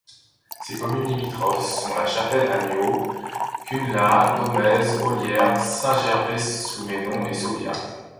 Ses communes limitrophes sont La Chapelle-Agnon, Cunlhat, Domaize, Olliergues, Saint-Gervais-sous-Meymont et Sauviat.